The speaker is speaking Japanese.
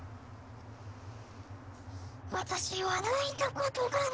「私は泣いたことがない」